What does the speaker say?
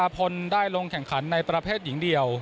พลได้ลงแข่งขันในประเภทหญิงเดียว